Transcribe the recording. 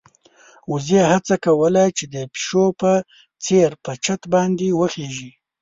وزې هڅه کوله چې د پيشو په څېر په چت باندې وخېژي.